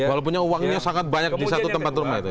walaupunnya uangnya sangat banyak di satu tempat rumah itu